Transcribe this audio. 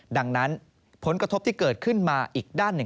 ดังนั้นผลกระทบที่เกิดขึ้นมาอีกด้านหนึ่ง